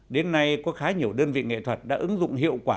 đến nay có khá nhiều đơn vị nghệ thuật đã ứng dụng hiệu quả